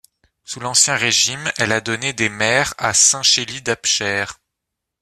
Sous l'Ancien Régime, elle a donné des maires à Saint-Chély-d'Apcher.